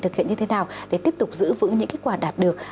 thực hiện như thế nào để tiếp tục giữ vững những kết quả đạt được